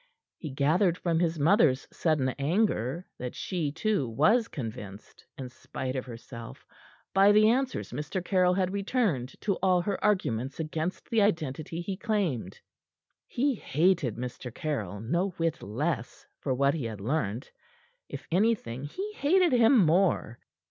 He gathered from his mother's sudden anger that she, too, was convinced, in spite of herself, by the answers Mr. Caryll had returned to all her arguments against the identity he claimed. He hated Mr. Caryll no whit less for what he had learnt; if anything, he hated him more.